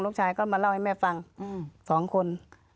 ลูกชายก็มาเล่าให้แม่ฟัง๒คน